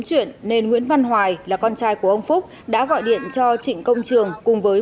chuyện nên nguyễn văn hoài là con trai của ông phúc đã gọi điện cho trịnh công trường cùng với